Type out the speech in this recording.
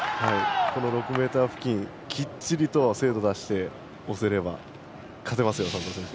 ６ｍ付近、きっちりと精度を出して押せれば勝てますよ、サントス選手。